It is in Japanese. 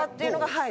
はい。